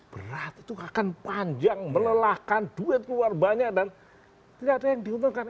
berat itu akan panjang melelahkan duit keluar banyak dan tidak ada yang diuntungkan